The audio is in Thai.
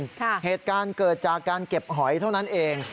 เหตุการณ์เกิดจากการเก็บหอยเท่านั้นเอง